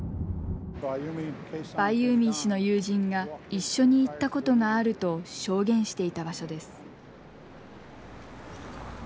バイユーミー氏の友人が一緒に行ったことがあると証言していた場所です。